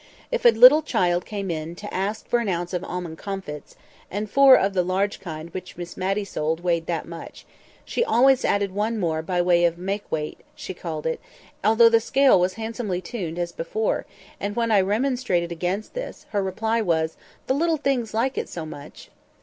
If a little child came in to ask for an ounce of almond comfits (and four of the large kind which Miss Matty sold weighed that much), she always added one more by "way of make weight," as she called it, although the scale was handsomely turned before; and when I remonstrated against this, her reply was, "The little things like it so much!"